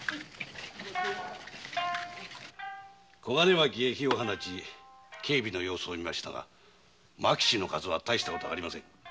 小金牧に火を放ち警備の様子を見ましたが牧士の数は大したことはありません。